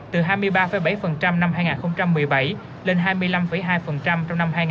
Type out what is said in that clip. từ hai mươi ba bảy năm hai nghìn một mươi bảy lên hai mươi năm hai trong năm hai nghìn một mươi tám